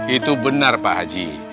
itu benar pak haji